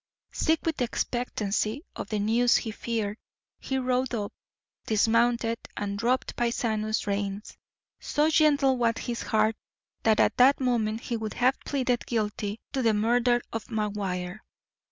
Sick with expectancy of the news he feared, he rode up, dismounted, and dropped Paisano's reins. So gentle was his heart that at that moment he would have pleaded guilty to the murder of McGuire.